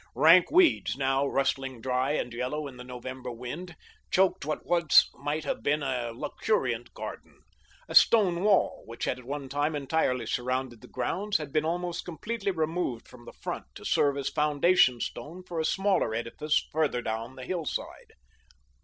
Rank weeds, now rustling dry and yellow in the November wind, choked what once might have been a luxuriant garden. A stone wall, which had at one time entirely surrounded the grounds, had been almost completely removed from the front to serve as foundation stone for a smaller edifice farther down the mountainside.